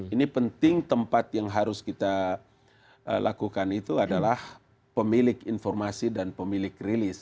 ini penting tempat yang harus kita lakukan itu adalah pemilik informasi dan pemilik rilis